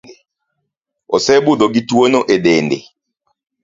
Osebudho gi tuo no e dende